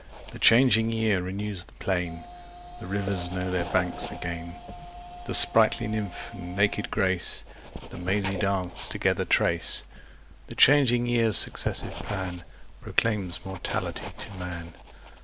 The changing year renews the plain, The rivers know their banks again; The sprightly Nymph and naked Grace The mazy dance together trace; The changing year's successive plan Proclaims mortality to man.